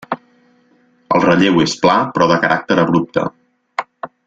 El relleu és pla, però de caràcter abrupte.